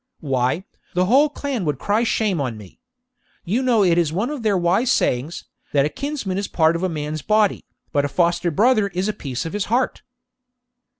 Why, the whole clan would cry shame on me. You know it is one of their wise sayings, that a kinsman is part of a man's body, but a foster brother is a piece of his heart.'